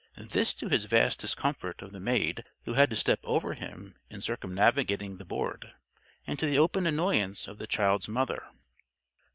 This to the vast discomfort of the maid who had to step over him in circumnavigating the board, and to the open annoyance of the child's mother.